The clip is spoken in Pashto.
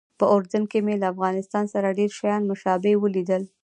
په اردن کې مې له افغانستان سره ډېر شیان مشابه ولیدل.